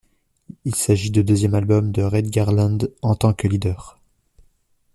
Il s'agit du deuxième album de Red Garland en tant que leader.